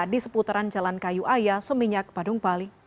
di seputaran jalan kayu aya seminyak padung bali